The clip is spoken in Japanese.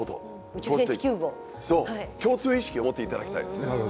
そう共通意識を持っていただきたいですね。